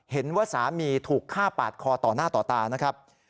เห็นว่าสามีถูกฆ่าปาดคอต่อหน้าต่อตานะครับ